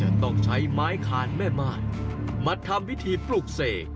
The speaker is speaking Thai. หันล้วยหันล้วยหันล้วยหันล้วยหันล้วยหันล้วย